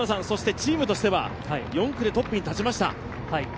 そしてチームとしては４区でトップに立ちました。